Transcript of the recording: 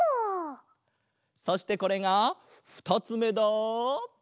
そしてこれがふたつめだ。